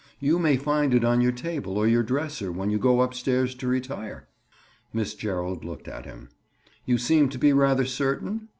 You may find it on your table or your dresser when you go upstairs to retire." Miss Gerald looked at him. "You seem to be rather certain?"